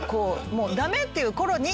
「もうダメ！」っていう頃に。